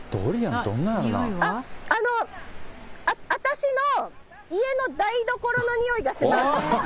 あっ、私の家の台所のにおいがします。